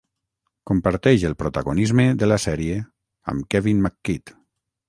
Comparteix el protagonisme de la sèrie amb Kevin McKidd.